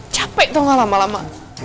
capek tuh gak lama lama